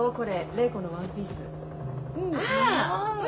礼子のワンピース。